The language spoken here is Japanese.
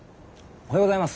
おはようございます。